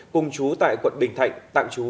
cùng chú tại quận bình thạnh tạm chú